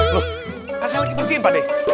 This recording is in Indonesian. loh harusnya lagi bersihin pade